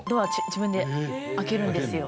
自分で開けるんですよ。